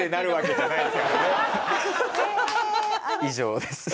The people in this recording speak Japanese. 以上です。